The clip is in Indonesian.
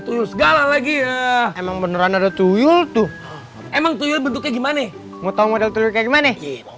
tuyul segala lagi ya emang beneran ada tuyul tuh emang bentuknya gimana mau tahu model kayak gimana